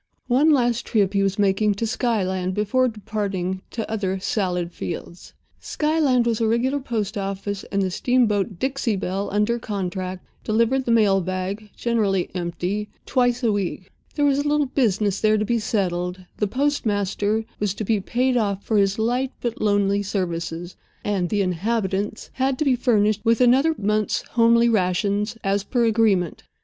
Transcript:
One last trip he was making to Skyland before departing to other salad fields. Skyland was a regular post office, and the steamboat, Dixie Belle, under contract, delivered the mail bag (generally empty) twice a week. There was a little business there to be settled—the postmaster was to be paid off for his light but lonely services, and the "inhabitants" had to be furnished with another month's homely rations, as per agreement.